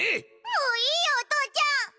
もういいよお父ちゃん！